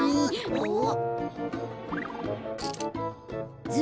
あっ！